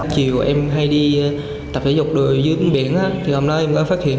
chiều em hay đi tập thể dục đùi dưới biển hôm nay em đã phát hiện